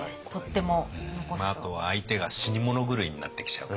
あと相手が死に物狂いになってきちゃうからね。